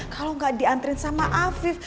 kalau gak diantriin sama afif